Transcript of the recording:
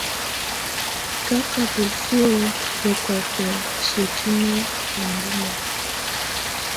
Káká bǝ́su hɛ́kɔ́kɛ́ siǝ́kinǝ́ ɛmbɔ́ma.